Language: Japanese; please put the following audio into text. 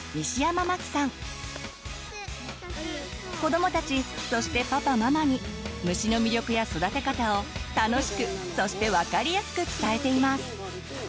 子どもたちそしてパパママに虫の魅力や育て方を楽しくそして分かりやすく伝えています。